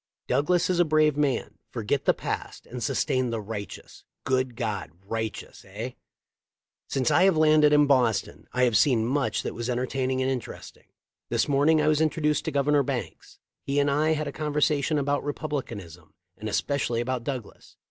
Douglas is a brave man. Forget the past and sustain the right eous.' Good God, righteous, eh! "Since I have landed in Boston I have seen much that was entertaining and interesting. This morn ing I was introduced to Governor Banks. He and I had a conversation about Republicanism and especially about Douglas.